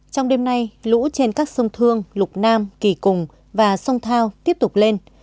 trong đêm nay lũ trên các sông thương lục nam kỳ cùng và sông thao tiếp tục lên